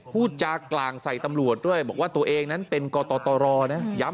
พูดจากกลางใส่ตำรวจด้วยบอกว่าตัวเองนั้นเป็นกตรนะย้ำ